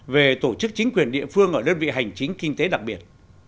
về tổ chức chính quyền địa phương ở đơn vị hành chính kinh tế đặc biệt